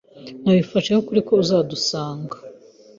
Nabifashe nk'ukuri ko uzadusanga.